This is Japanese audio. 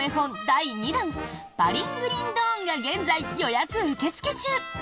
第２弾「パリングリンドーン」が現在、予約受け付け中！